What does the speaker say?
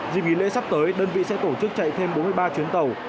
dìm ý lễ sắp tới đơn vị sẽ tổ chức chạy thêm bốn mươi ba chuyến tàu